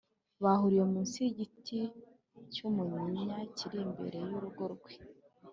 bahuriye munsi y’igiti cy’umunyinya kiri imbere y’urugo rwe